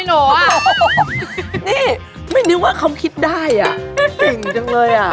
นี่ไม่นึกว่าเขาคิดได้อ่ะเก่งจังเลยอ่ะ